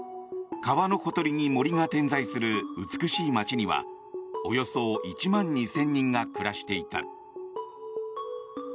川のほとりに森が点在する美しい街にはおよそ１万２０００人が暮らしていた。